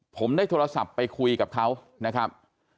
ผมได้โทรศัพท์ไปคุยกับเขานะครับ